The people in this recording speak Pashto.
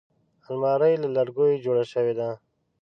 الماري له لرګیو جوړه شوې ده